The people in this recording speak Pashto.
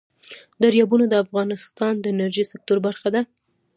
دریابونه د افغانستان د انرژۍ سکتور برخه ده.